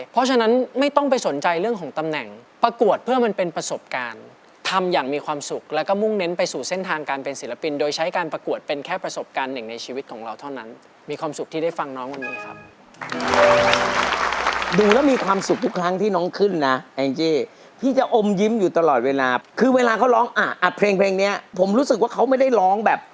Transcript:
เพราะฉะนั้นไม่ต้องไปสนใจเรื่องของตำแหน่งประกวดเพื่อมันเป็นประสบการณ์ทำอย่างมีความสุขแล้วก็มุ่งเน้นไปสู่เส้นทางการเป็นศิลปินโดยใช้การประกวดเป็นแค่ประสบการณ์หนึ่งในชีวิตของเราเท่านั้นมีความสุขที่ได้ฟังน้องคนนี้ครับ